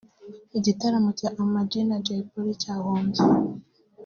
igitaramo cya Ama G na Jay Polly cyahombye